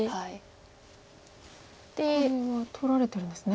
これは取られてるんですね。